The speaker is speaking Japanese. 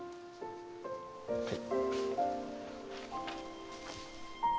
はい。